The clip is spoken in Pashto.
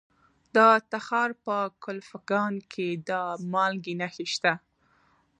د تخار په کلفګان کې د مالګې نښې شته.